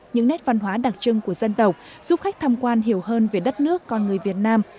những nét văn hóa đặc trưng của dân tộc giúp khách tham quan hiểu hơn về đất nước con người việt nam